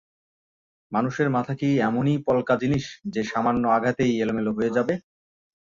মানুষের মাথা কি এমনই পলকা জিনিস যে সামান্য আঘাতেই এলোমেলো হয়ে যাবে?